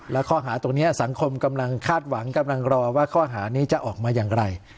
และข้อหาตรงนี้สังคมกำลังคาดหวังกำลังรอว่าข้อหานี้จะออกมาอย่างไร